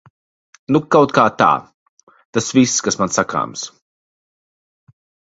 Nu kautkā tā. Tas viss, kas man sakāms.